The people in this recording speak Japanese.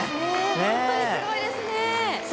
本当にすごいですね。